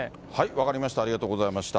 分かりました、ありがとうございました。